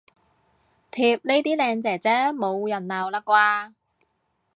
貼呢啲靚姐姐冇人鬧喇啩